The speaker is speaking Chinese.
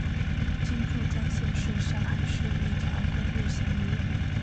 金祝专线是上海市的一条公交路线。